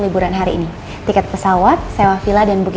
bukannya instinct lagi dah début